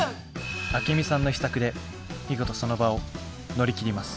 アケミさんの秘策で見事その場を乗り切ります。